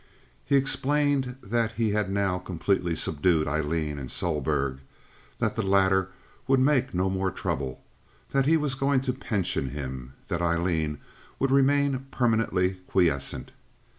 He explained that he had now completely subdued Aileen and Sohlberg, that the latter would make no more trouble, that he was going to pension him, that Aileen would remain permanently quiescent.